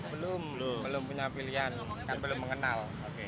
belum belum punya pilihan kan belum mengenal